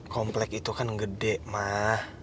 komplek itu kan gede mah